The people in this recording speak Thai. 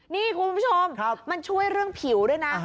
นี่คุณผู้ชมมันช่วยเรื่องผิวด้วยนะ